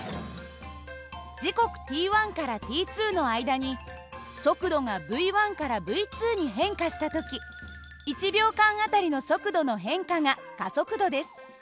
時刻ｔからｔの間に速度がυからυに変化した時１秒間あたりの速度の変化が加速度です。